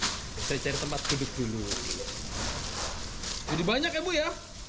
kita di cari tempat tersebut kita akan mencari tempat lainnya mana ya